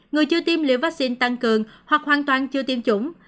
người chưa tiêm liều vaccine tăng cường hoặc hoàn toàn chưa tiêm chủng